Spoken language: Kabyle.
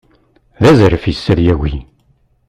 D azref-is ad yagi.